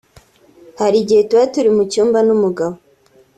Hari igihe tuba turi mu cyumba n’umugabo